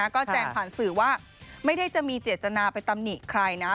ก็แจ้งผ่านสื่อว่าไม่ได้จะมีเจตนาไปตำหนิใครนะ